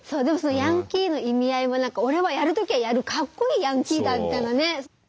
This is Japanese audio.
でもそのヤンキーの意味合いも何か「おれはやるときはやるかっこいいヤンキーだ」みたいなね。